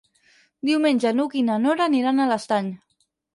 Diumenge n'Hug i na Nora aniran a l'Estany.